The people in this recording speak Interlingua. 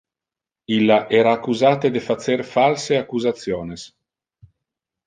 Illa era accusate de facer false accusationes.